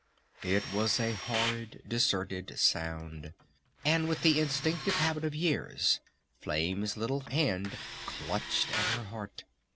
It was a horrid, deserted sound. And with the instinctive habit of years Flame's little hand clutched at her heart.